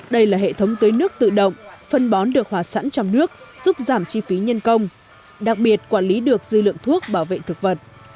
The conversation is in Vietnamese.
đây là hệ thống tưới nước tự động phân bón được hòa sẵn trong nước giúp giảm chi phí nhân công đặc biệt quản lý được dư lượng thuốc bảo vệ thực vật